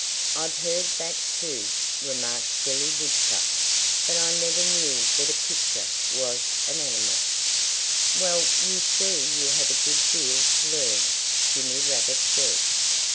"I've heard that, too," remarked Billy Woodchuck. "But I never knew that a pitcher was an animal." "Well, you see you have a good deal to learn," Jimmy Rabbit said.